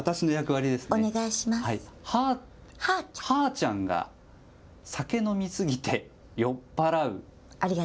はーちゃんが酒飲み過ぎて酔っぱらう。